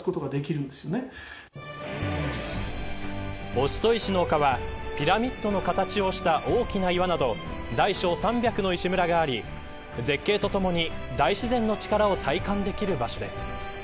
押戸石の丘はピラミッドの形をした大きな岩など大小３００の石群があり絶景とともに大自然の力を体感できる場所です。